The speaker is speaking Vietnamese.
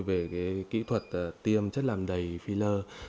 về kỹ thuật tiêm chất làm đầy phila